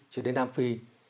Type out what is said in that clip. chưa đến nam phi